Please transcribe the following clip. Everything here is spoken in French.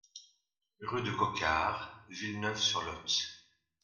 Rue de Coquard, Villeneuve-sur-Lot